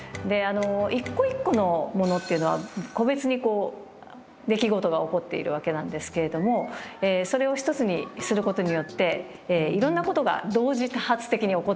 一個一個のものっていうのは個別にこう出来事が起こっているわけなんですけれどもそれを一つにすることによっていろんなことが同時多発的に起こっている。